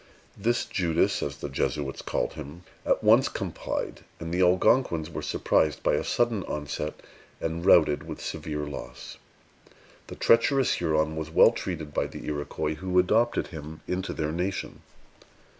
This Judas, as the Jesuits call him, at once complied; and the Algonquins were surprised by a sudden onset, and routed with severe loss. The treacherous Huron was well treated by the Iroquois, who adopted him into their nation.